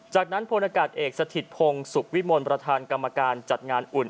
จากนั้นพลอากาศเอกสถิตพงศ์สุขวิมลประธานกรรมการจัดงานอุ่น